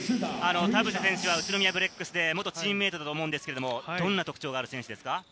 田臥選手は宇都宮ブレックスでチームメートだったと思いますが、どんな特徴のある選手ですか？